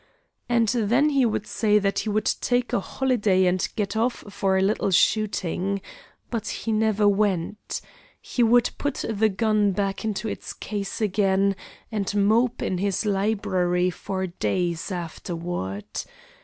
And then he would say he would take a holiday and get off for a little shooting. But he never went. He would put the gun back into its case again and mope in his library for days afterward.